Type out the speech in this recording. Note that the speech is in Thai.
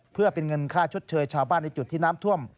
เพื่อเป็นเงินค่าชดเชยชาวบ้านในจุดที่น้ำท่วม